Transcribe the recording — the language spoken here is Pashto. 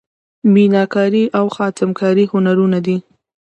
میناکاري او خاتم کاري هنرونه دي.